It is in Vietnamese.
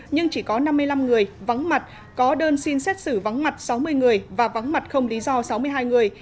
nhưng chỉ có năm mươi năm người vắng mặt có đơn xin xét xử vắng mặt sáu mươi người và vắng mặt không lý do sáu mươi hai người